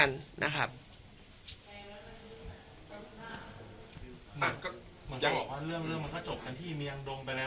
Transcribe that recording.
มันก็อย่างก็บอกว่าเรื่องเรื่องมันก็จบกันที่เมียงดงไปแล้ว